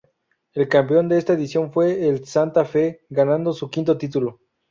El campeón de esta edición fue el Santa Fe, ganando su quinto título.